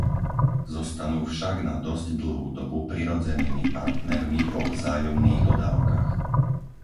Zostanú však na dosť dlhú dobu prirodzenými partnermi vo vzájomných dodávkach.